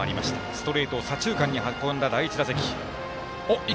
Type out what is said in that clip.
ストレートを左中間に運んだ第１打席。